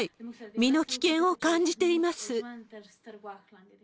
身の危険を感じています。